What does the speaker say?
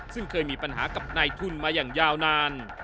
ซึ่งเคยมีปัญหากับนายทุนมาอย่างยาวนาน